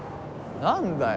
何だよ。